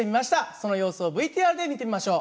その様子をＶＴＲで見てみましょう。